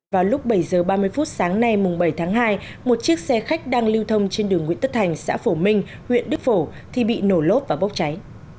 vào lúc bảy h ba mươi phút sáng nay bảy tháng hai một chiếc xe khách đang lưu thông trên đường nguyễn tất thành xã phổ minh huyện đức phổ thì bị nổ lốp và bốc cháy